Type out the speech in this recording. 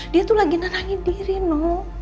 dia tuh lagi nanangi diri noh